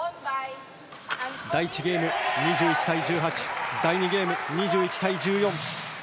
第１ゲーム、２１対１８第２ゲーム、２１対１４。